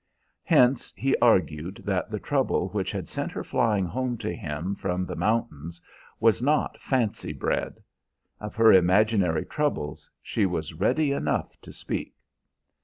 Hence he argued that the trouble which had sent her flying home to him from the mountains was not fancy bred. Of her imaginary troubles she was ready enough to speak.